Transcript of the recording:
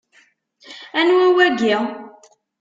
Anwa wagi?